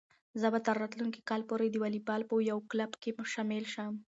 زه به تر راتلونکي کال پورې د واليبال په یو کلب کې شامل شم.